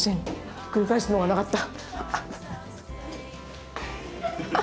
ひっくり返すのがなかった。